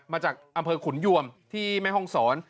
มาจากอำเภอขุนยวมที่แม่ห้องศร